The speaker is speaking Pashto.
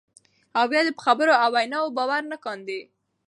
او بیا دې په خبرو او ویناوو باور نه کاندي،